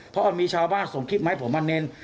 เพราะว่ามีชาวบ้านส่งคลิปมาให้ผมมาเน้น